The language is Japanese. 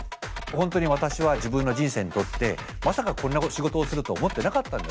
本当に私は自分の人生にとってまさかこんな仕事をすると思ってなかったんですね。